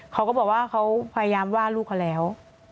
เขาก็บอกว่าเขาพยายามว่าลูกเขาแล้ว